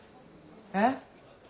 えっ？